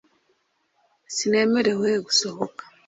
sinemerewe gusohoka